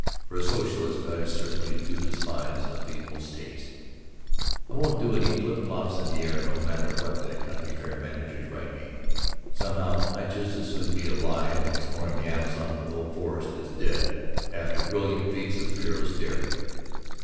(For a socialist I certainly do despise the pee pul's taste!) I won't do any flipflops in the air no matter what the county fair managers write me. Somehow I'd just as soon be alive and exploring the Amazon with old Forrest as dead after "brilliant feats of fearless daring."